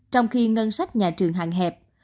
trong khi ngân sách nhà trường hạn hẹp